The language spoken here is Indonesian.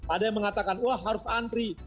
ada yang mengatakan wah harus antri